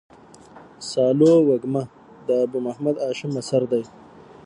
سالو وږمه د ابو محمد هاشم اثر دﺉ.